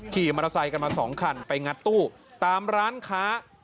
ขี่มอเตอร์ไซค์กันมา๒คันไปงัดตู้ตามร้านค้า